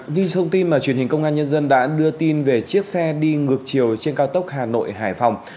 như thông tin mà truyền hình công an nhân dân đã đưa tin về chiếc xe đi ngược chiều trên cao tốc hà nội hải phòng